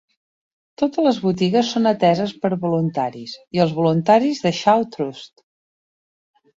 Totes les botigues són ateses per voluntaris i els voluntaris de Shaw Trust.